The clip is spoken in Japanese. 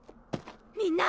みんな！